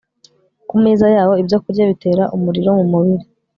ku meza yabo ibyokurya bitera umuriro mu mubiri